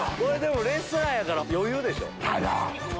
レスラーやから余裕でしょ。